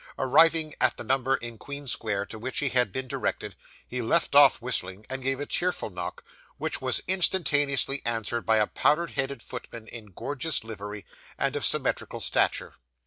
Arriving at the number in Queen Square to which he had been directed, he left off whistling and gave a cheerful knock, which was instantaneously answered by a powdered headed footman in gorgeous livery, and of symmetrical stature.